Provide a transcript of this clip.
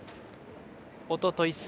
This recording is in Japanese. おととい